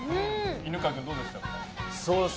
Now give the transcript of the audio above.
犬飼君、どうでした？